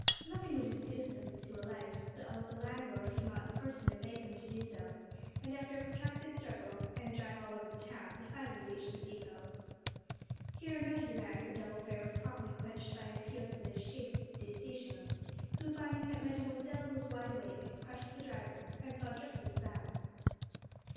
Nothing would induce them to alight, though the landlord came out in person and begged them to do so; and, after a protracted struggle and a drive all over the town, they finally reached the depôt. Here another demand for double fare was promptly quenched by an appeal to the chef de station, who, finding that Mademoiselle was wide awake, crushed the driver and saw justice done.